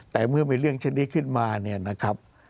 แต่เมื่อมีเรื่องเช่นนี้ขึ้นมา